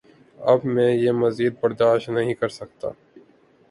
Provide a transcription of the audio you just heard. اب میں یہ مزید برداشت نہیں کرسکتا